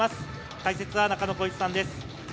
解説は中野浩一さんです。